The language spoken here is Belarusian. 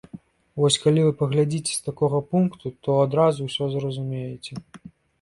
Вось калі вы паглядзіце з такога пункту, то адразу ўсё зразумееце.